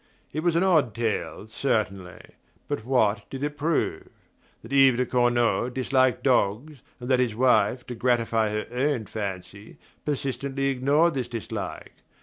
It was an odd tale, certainly; but what did it prove? That Yves de Cornault disliked dogs, and that his wife, to gratify her own fancy, persistently ignored this dislike.